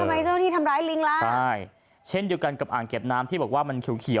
ทำไมเจ้าที่ทำร้ายลิงล่ะใช่เช่นเดียวกันกับอ่างเก็บน้ำที่บอกว่ามันเขียวเขียว